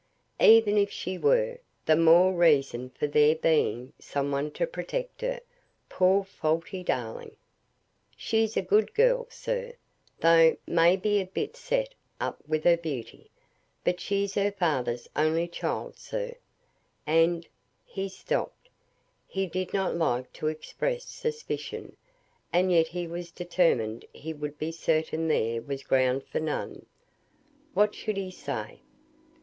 Even if she were, the more reason for there being some one to protect her; poor, faulty darling. "She's a good girl, sir, though may be a bit set up with her beauty; but she's her father's only child, sir, and " he stopped; he did not like to express suspicion, and yet he was determined he would be certain there was ground for none. What should he say?